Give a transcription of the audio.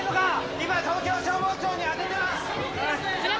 今東京消防庁に当ててます！